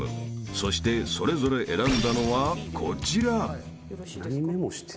［そしてそれぞれ選んだのはこちら］